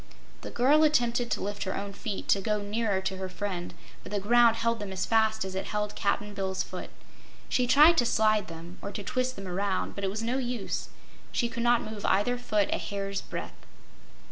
The girl attempted to lift her own feet, to go nearer to her friend, but the ground held them as fast as it held Cap'n Bill's foot. She tried to slide them, or to twist them around, but it was no use; she could not move either foot a hair's breadth.